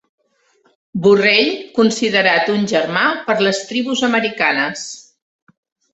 Borrell considerat un germà per les tribus americanes